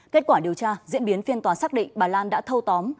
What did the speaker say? kết quả điều tra diễn biến phiên tòa xác định bà lan đã thâu tóm